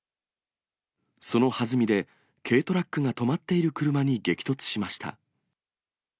そのはずみで、軽トラックが止まっている車に激突しました。